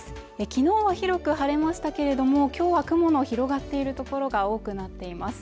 きのうは広く晴れましたけれどもきょうは雲の広がっている所が多くなっています